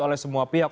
oleh semua pihak